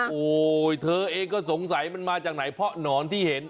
โอ้โหเธอเองก็สงสัยมันมาจากไหนเพราะหนอนที่เห็น